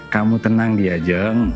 kamu tenang dia jeng